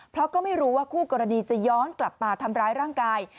เพราะก็ไม่รู้ว่าคู่กรณีจะย้อนกลับมาทำร้ายร่างกาย